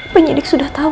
penyidik sudah tahu